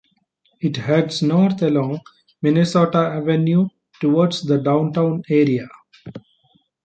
It heads north along Minnesota Avenue toward the downtown area.